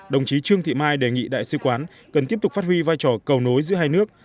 đồng chí trương thị mai đề nghị đại sứ quán cần tiếp tục phát huy vai trò cầu nối giữa hai nước